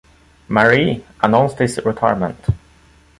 Marie, announced his retirement.